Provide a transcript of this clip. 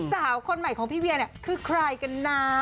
สาวคนใหม่ของพี่เวียเนี่ยคือใครกันนะ